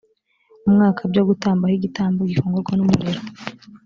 umwaka byo gutamba ho igitambo gikongorwa n umuriro